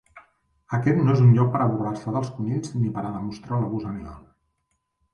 Aquest no és un lloc per a burlar-se dels conills ni per a demostrar l'abús animal.